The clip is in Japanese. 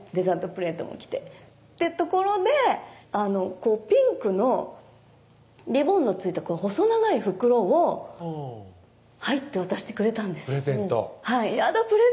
プレートも来てってところでこうピンクのリボンの付いた細長い袋を「はい」って渡してくれたんですプレゼントやだ